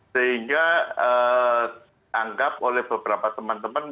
sehingga anggap oleh beberapa teman teman